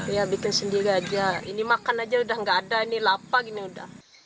iya bikin sendiri aja ini makan aja udah nggak ada ini lapak ini udah